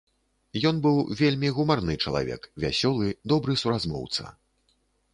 Ён быў вельмі гумарны чалавек, вясёлы, добры суразмоўца.